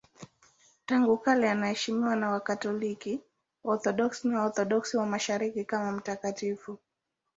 Tangu kale anaheshimiwa na Wakatoliki, Waorthodoksi na Waorthodoksi wa Mashariki kama mtakatifu.